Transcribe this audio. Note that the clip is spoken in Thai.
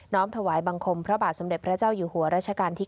ถวายบังคมพระบาทสมเด็จพระเจ้าอยู่หัวรัชกาลที่๙